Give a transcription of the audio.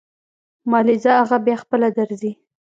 مالې ځه اغه بيا خپله درځي.